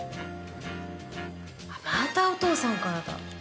あっまたお父さんからだ。